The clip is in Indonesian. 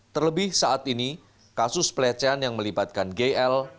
terlebih saat ini kasus pelecehan yang melibatkan gl